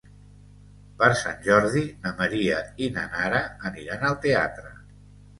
Per Sant Jordi na Maria i na Nara aniran al teatre.